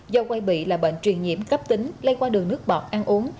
do quay bị là bệnh truyền nhiễm cấp tính lây qua đường nước bọt ăn uống